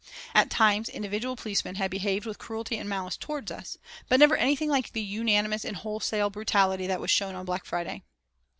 At times individual policemen had behaved with cruelty and malice toward us, but never anything like the unanimous and wholesale brutality that was shown on Black Friday.